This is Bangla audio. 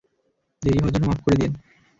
দেরি হওয়ার জন্য মাফ করে দিয়েন।